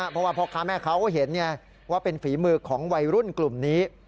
เพราะว่าพ่อค้าแม่เขาก็เห็นไงว่าเป็นฝีมือของวัยรุ่นกลุ่มนี้